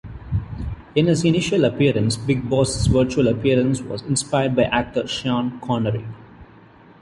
In his initial appearances, Big Boss's visual appearance was inspired by actor Sean Connery.